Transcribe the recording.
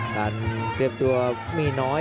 เตรียมตัวมีน้อย